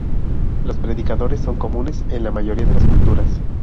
Los predicadores son comunes en la mayoría de las culturas.